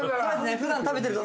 普段食べてる土鍋。